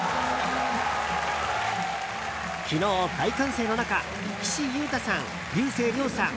昨日、大歓声の中岸優太さん、竜星涼さん